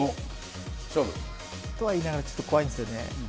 勝負。とはいいながら、ちょっと怖いんですけどね。